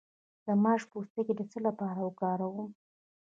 د ماش پوستکی د څه لپاره وکاروم؟